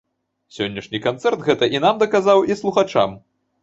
Сённяшні канцэрт гэта і нам даказаў, і слухачам.